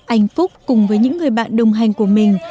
anh phúc cùng với những người bạn đồng hành của mình